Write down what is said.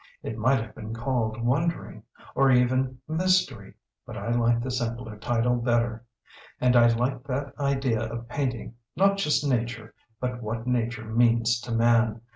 It might have been called 'Wondering,' or even 'Mystery,' but I liked the simpler title better. And I like that idea of painting, not just nature, but what nature means to man.